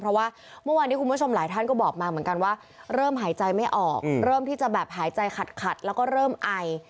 เพราะว่าเมื่อวานนี้คุณผู้ชมหลายท่านก็บอกมาเหมือนกันว่าเริ่มหายใจไม่ออกเริ่มที่จะแบบหายใจขัดแล้วก็เริ่มไอ